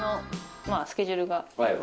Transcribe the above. スケジュールが合えば。